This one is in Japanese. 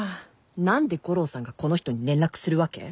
何で悟郎さんがこの人に連絡するわけ？